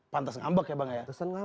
pantas ngambek ya bang ya